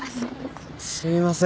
すいません